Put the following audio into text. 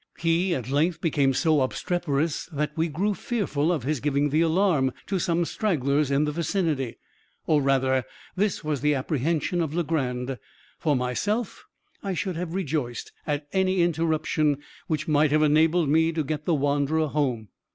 He, at length, became so obstreperous that we grew fearful of his giving the alarm to some stragglers in the vicinity or, rather, this was the apprehension of Legrand; for myself, I should have rejoiced at any interruption which might have enabled me to get the wanderer home.